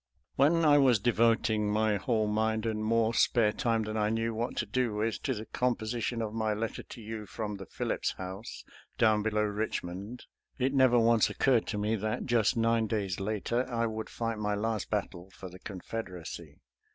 When I was devoting my whole mind and more spare time than I knew what to do with to the composition of my letter to you from the Phillips House, down below Richmond, it never once occurred to me that just nine days later I would fight my last battle for the Confeder acy.